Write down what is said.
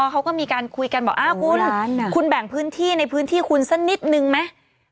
เอ้ากูแบ่งพื้นที่ในพื้นที่คุณสักนิดนึงมา